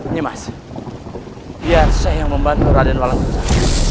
ini mas biar saya yang membantu raden walang perusahaan